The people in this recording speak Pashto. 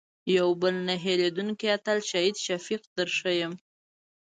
یو بل نه هېرېدونکی اتل شهید شفیق در ښیم.